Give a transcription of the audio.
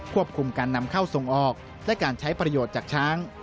ควบคุมการนำเข้าส่งออกและการใช้ประโยชน์จากช้าง